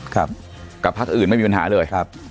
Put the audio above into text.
กับภาคอื่นไม่มีปัญหาเลย